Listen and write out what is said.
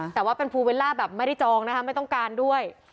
แต่ว่าเป็นภูเบลล่าแบบไม่ได้จองนะคะไม่ต้องการด้วย